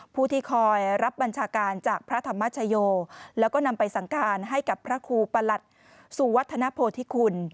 ผู้ที่คอยรับบัญชาการจากพระธรรมชโยแล้วก็นำไปสั่งการให้กับพระครูประหลัดสุวัฒนโพธิคุณ